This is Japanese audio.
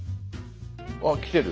あっ来てる。